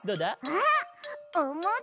あっおもち！